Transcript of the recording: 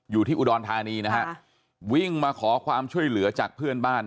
อยู่ที่อุดรธานีนะฮะวิ่งมาขอความช่วยเหลือจากเพื่อนบ้าน